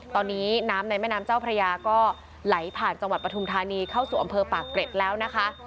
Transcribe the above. ตอนนี้น้ำในแม่น้ำเจ้าพระยาก็ไหลผ่านจังหวัดปฐุมธานีเข้าสู่อำเภอปากเกร็ดแล้วนะคะ